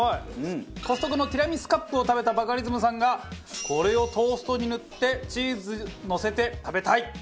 コストコのティラミスカップを食べたバカリズムさんが「これをトーストに塗ってチーズのせて食べたい！」。